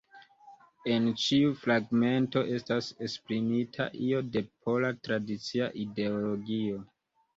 En ĉiu fragmento estas esprimita io de pola tradicia ideologio.